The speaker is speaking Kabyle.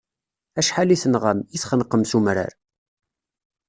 Acḥal i tenɣam, i txenqem s umrar.